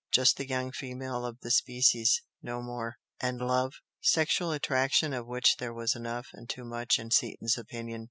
Just the young "female of the species" no more. And love? Sexual attraction, of which there was enough and too much in Seaton's opinion.